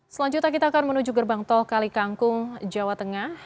selanjutnya kita akan menuju gerbang tol kali kangkung jawa tengah